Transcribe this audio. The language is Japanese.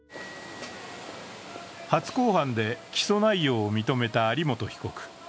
初公判で起訴内容を認めた有本被告。